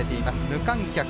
無観客。